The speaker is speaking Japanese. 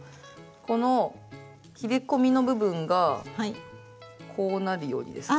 この切り込みの部分がこうなるようにですか？